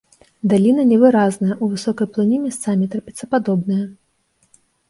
Даліна невыразная, у высокай плыні месцамі трапецападобная.